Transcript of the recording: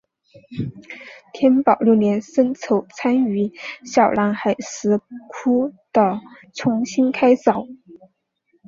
天保六年僧稠参与小南海石窟的重新开凿。